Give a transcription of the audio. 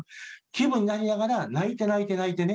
気分になりながら泣いて泣いて泣いてね。